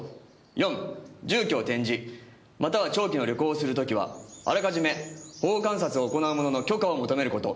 「四住居を転じまたは長期の旅行をする時はあらかじめ保護観察を行う者の許可を求めること」